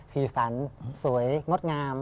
สีสันสวยงดงาม